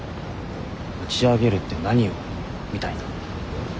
打ち上げるって何を？みたいな。